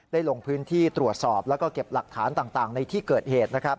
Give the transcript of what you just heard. ลงพื้นที่ตรวจสอบแล้วก็เก็บหลักฐานต่างในที่เกิดเหตุ